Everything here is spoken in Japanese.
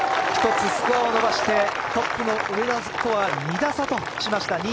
１つスコアを伸ばしてトップの上田とは２打差としました。